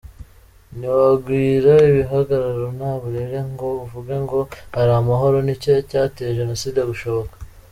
Ntiwagwira ibihagararo nta burere ngo uvuge ngo hari amahoro, nicyo cyateye jenoside gushoboka.